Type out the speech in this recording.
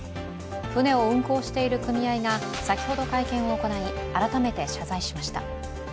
舟を運航している組合が先ほど会見を行い改めて謝罪しました。